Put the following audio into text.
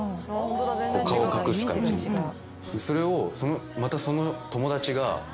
それをまたその友達が。